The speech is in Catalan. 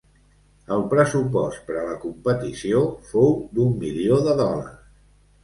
El pressupost per a la competició fou d'un milió de dòlars.